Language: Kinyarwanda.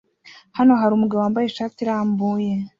Hano hari umugabo wambaye ishati irambuye